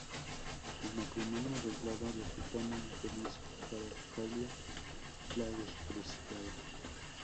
El matrimonio arreglado resultó muy infeliz; Caracalla la despreciaba.